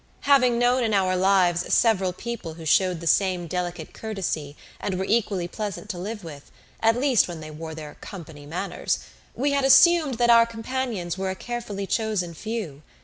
Having known in our lives several people who showed the same delicate courtesy and were equally pleasant to live with, at least when they wore their "company manners," we had assumed that our companions were a carefully chosen few.